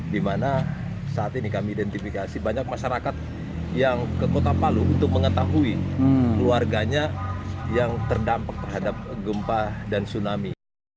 di mana saat ini kami identifikasi banyak masyarakat yang ke kota palu untuk mengetahui keluarganya yang terdampak terhadap gempa dan tsunami